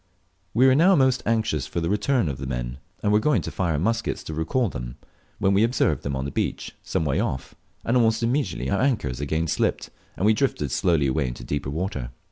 We were now most anxious for the return of the men, and were going to fire our muskets to recall them, when we observed them on the beach, some way off, and almost immediately our anchors again slipped, and we drifted slowly away into deep water.